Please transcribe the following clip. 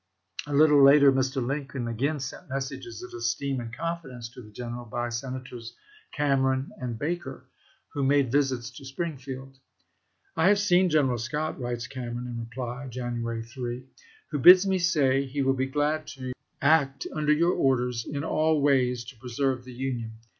A little later Mr. Lincoln again sent messages of esteem and confidence to the general by Senators Cameron and Baker, who made visits to Spring field. " I have seen General Scott," writes Cameron in reply (January 3), " who bids me say he will be glad to act under your orders in all ways to pre serve the Union.